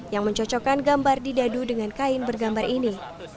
yang mencocokkan gambar didadu dengan kain bergambar ini